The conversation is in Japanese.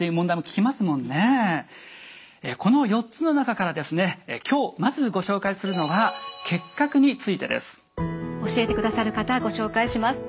この４つの中からですね今日まずご紹介するのは教えてくださる方ご紹介します。